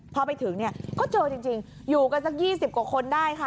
พอไปถึงเนี่ยก็เจอจริงอยู่กันสัก๒๐กว่าคนได้ค่ะ